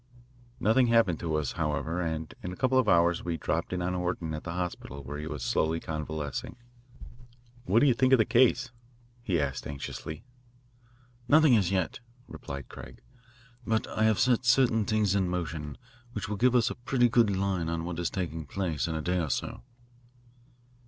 Nothing happened to us, however, and in a couple of hours we dropped in on Orton at the hospital where he was slowly convalescing. "What do you think of the case?" he asked anxiously. "Nothing as yet," replied Craig, "but I have set certain things in motion which will give us a pretty good line on what is taking place in a day or so."